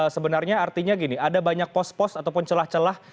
sebenarnya artinya gini ada banyak pos pos ataupun celah celah